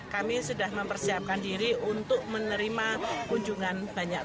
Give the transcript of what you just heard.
kami sudah mempersiapkan diri untuk menerima kunjungan banyak